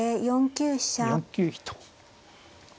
４九飛と。